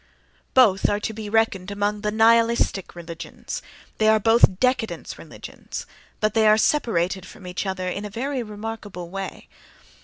Both are to be reckoned among the nihilistic religions—they are both décadence religions—but they are separated from each other in a very remarkable way.